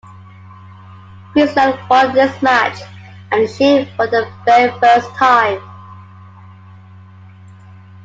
Queensland won this match and the Shield for the very first time.